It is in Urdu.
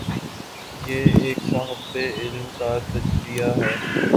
یہ ایک صاحب علم کا تجزیہ ہے۔